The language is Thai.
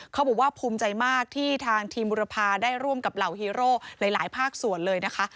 เขาบอกว่าภูมิใจมากที่ทางทีมบุรพาได้ร่วมกับเหล่าฮีโร่หลายภาคส่วนเลยนะคะ